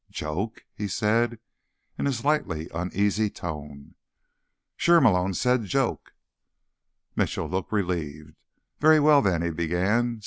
"Joke?" he said, in a slightly uneasy tone. "Sure," Malone said. "Joke." Mitchell looked relieved. "Very well, then," he began.